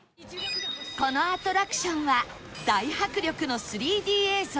このアトラクションは大迫力の ３Ｄ 映像そして